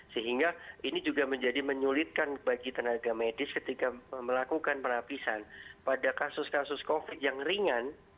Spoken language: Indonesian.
sehingga ini juga menjadi menyulitkan bagi tenaga medis ketika melakukan penapisan pada kasus kasus covid yang ringan